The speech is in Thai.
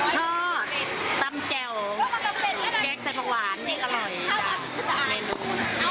ท่อตำแจ่วเก๊กใส่ผักหวานนี่อร่อยจ้ะเมนู